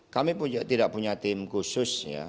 kami tidak punya tim khusus ya